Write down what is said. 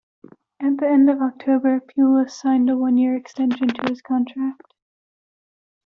At the end of October, Pulis signed a one-year extension to his contract.